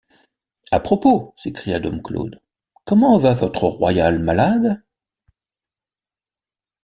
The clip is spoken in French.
À propos, s’écria dom Claude, comment va votre royal malade?